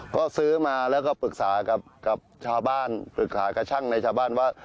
ก็ซื้อมาแล้วก็ปรึกษากับชาวบ้านปรึกษากับช่างในชาวบ้านว่า